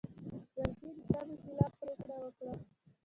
جرګې د تمې خلاف پرېکړه وکړه.